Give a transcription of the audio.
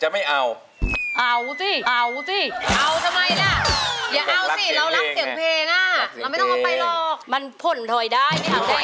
ไม่พลอยได้